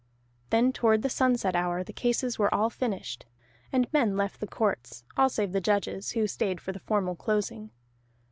Then toward the sunset hour the cases were all finished, and men left the courts, all save the judges, who stayed for the formal closing.